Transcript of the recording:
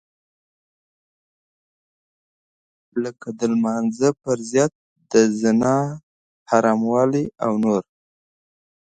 لکه د لمانځه فرضيت د زنا حراموالی او نور.